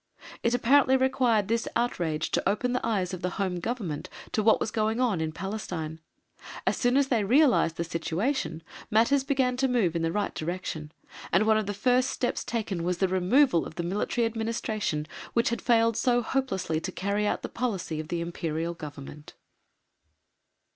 It apparently required this outrage to open the eyes of the Home Government to what was going on in Palestine. As soon as they realised the situation, matters began to move in the right direction, and one of the first steps taken was the removal of the Military Administration which had failed so hopelessly to carry out the policy of the Imperial Government.